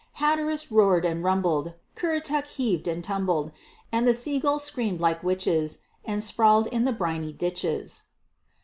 Hatteras roared and rumbled, Currituck heaved and tumbled; And the sea gulls screamed like witches, And sprawled in the briny ditches.